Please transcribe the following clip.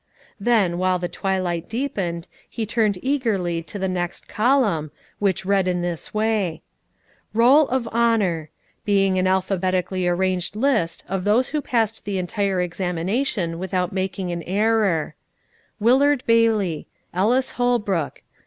Then, while the twilight deepened, he turned eagerly to the next column, which read in this way: "ROLL OF HONOUR; "Being an alphabetically arranged List of those who passed the entire Examination without making an error: WILLARD BAILEY. ELLIS HOLBROOK.